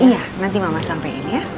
iya nanti mama sampaikan ya